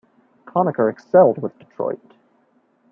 Conacher excelled with Detroit.